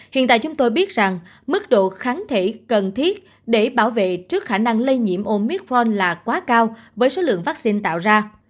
hiện tại chúng tôi biết rằng mức độ kháng thể cần thiết để bảo vệ trước khả năng lây nhiễm omithfron là quá cao với số lượng vaccine tạo ra